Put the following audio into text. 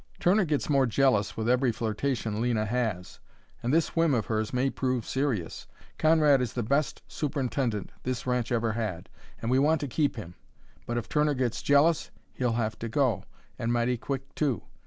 "Turner gets more jealous with every flirtation Lena has, and this whim of hers may prove serious. Conrad is the best superintendent this ranch ever had, and we want to keep him. But if Turner gets jealous he'll have to go and mighty quick, too.